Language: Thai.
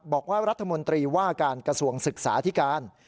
บอกว่ารัฐมนตรีว่าการกระทรวงศึกษาที่การ